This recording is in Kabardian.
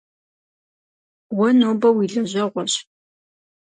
Уэ нобэ уи лэжьэгъуэщ.